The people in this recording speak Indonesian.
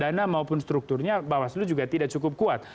pada kondisi hak maupun strukturnya bawaslu juga tidak cukup kuat